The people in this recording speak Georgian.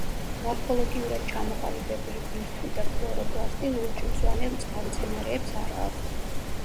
მორფოლოგიურად ჩამოყალიბებული ბირთვი და ქლოროპლასტი ლურჯ-მწვანე წყალმცენარეებს არა აქვთ.